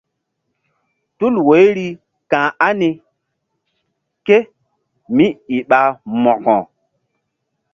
Tul woiri ka̧h ani kémíi ɓa mo̧ko?